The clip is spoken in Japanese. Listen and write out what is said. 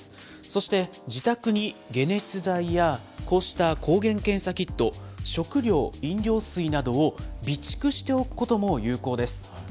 そして、自宅に解熱剤や、こうした抗原検査キット、食料、飲料水などを備蓄しておくことも有効です。